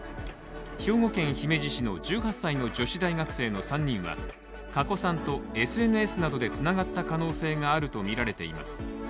兵庫県姫路市の１８歳の女子大学生の３人は加古さんとＳＮＳなどでつながった可能性があるとみられています。